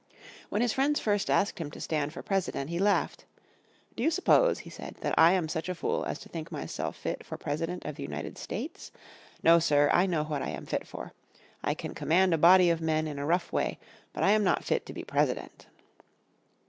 When his friends first asked him to stand for President, he laughed. "Do you suppose," he said, "that I am such a fool as to think myself fit for President of the United States? No, sir, I know what I am fit for. I can command a body of men in a rough way, but I am not fit to be President."